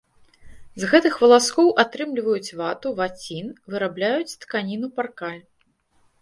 З гэтых валаскоў атрымліваюць вату, вацін, вырабляюць тканіну паркаль.